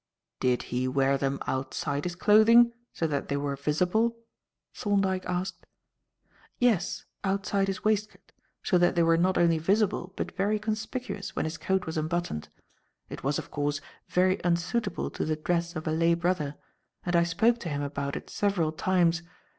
"Did he wear them outside his clothing so that they were visible?" Thorndyke asked. "Yes, outside his waistcoat, so that they were not only visible but very conspicuous when his coat was unbuttoned. It was, of course, very unsuitable to the dress of a lay brother, and I spoke to him about it several times.